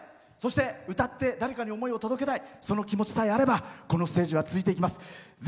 そして、歌って誰かに思いを届けたいその気持ちさえあればこのステージは続いていきます。